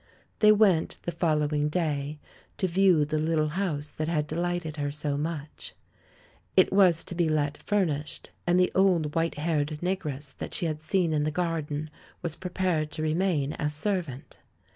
They went, the following day, to view the lit tle house that had delighted her so much. It was to be let furnished, and the old, white haired negress that she had seen in the garden was pre pared to remain as servant.